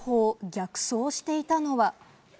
逆走していたのは。